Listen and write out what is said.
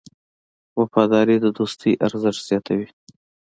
وفاداري د دوستۍ ارزښت زیاتوي.